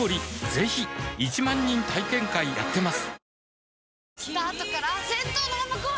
ぜひ１万人体験会やってますはぁ。